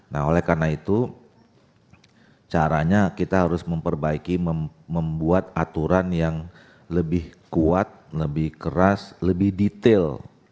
nah oleh karena itu caranya kita harus memperbaiki membuat aturan yang lebih kuat lebih keras lebih detail